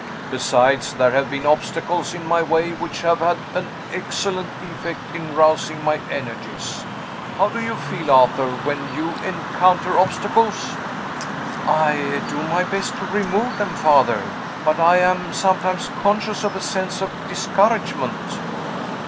Besides, there have been obstacles in my way which have had an excellent effect in rousing my energies. How do you feel, Arthur, when you encounter obstacles?" "I do my best to remove them, Father. But I am sometimes conscious of a sense of discouragement."